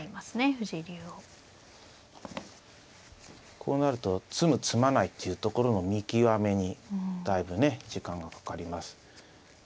こうなると詰む詰まないっていうところの見極めにだいぶね時間がかかります。